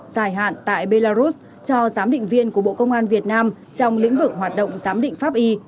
dài hạn tại belarus cho giám định viên của bộ công an việt nam trong lĩnh vực hoạt động giám định pháp y